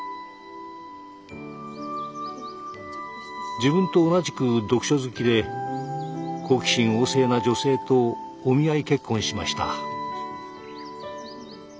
自分と同じく読書好きで好奇心旺盛な女性とお見合い結婚しました。